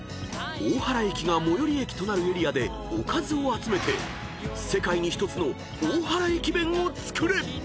［大原駅が最寄駅となるエリアでおかずを集めて世界に１つの大原駅弁を作れ！］